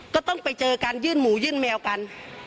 ก็ต้องไปเจอกันยื่นหมูยื่นแมวกัน